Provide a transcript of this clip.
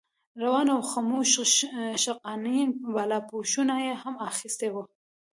روان او خموش شغناني بالاپوشونه یې هم اخیستي وو.